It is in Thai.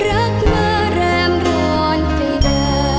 รักมาแรมร้อนใจเด้อ